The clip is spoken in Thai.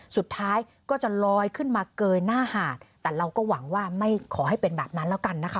สุดท้ายก็จะลอยขึ้นมาเกยหน้าหาดแต่เราก็หวังว่าไม่ขอให้เป็นแบบนั้นแล้วกันนะคะ